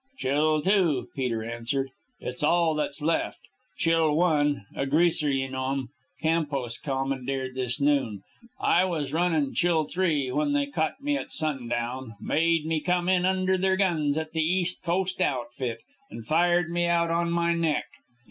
"Chill II," Peter answered. "It's all that's left. Chill I a Greaser you know 'm Campos commandeered this noon. I was runnin' Chill III when they caught me at sundown. Made me come in under their guns at the East Coast outfit, and fired me out on my neck.